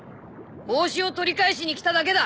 帽子を取り返しに来ただけだ。